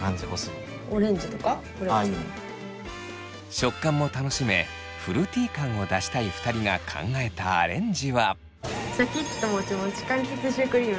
食感も楽しめフルーティ感を出したい２人が考えたアレンジは。